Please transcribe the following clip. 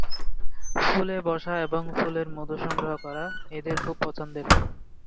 ফুলে বসা এবং ফুলের মধু সংগ্রহ করা এদের খুব পছন্দের।